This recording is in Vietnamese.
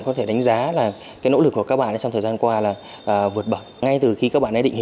có thể đánh giá là cái nỗ lực của các bạn trong thời gian qua là vượt bậc ngay từ khi các bạn ấy định hình